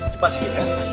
cepat sikit ya